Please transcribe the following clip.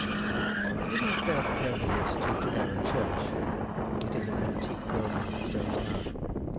I did not fail to pay a visit to Tregaron church. It is an antique building with a stone tower.